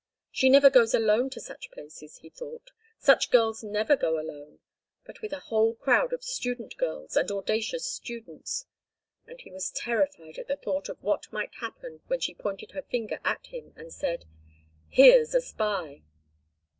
She never goes alone to such places, he thought; such girls never go alone, but with a whole crowd of student girls and audacious students—and he was terrified at the thought of what might happen when she pointed her finger at him and said: "Here's a spy!"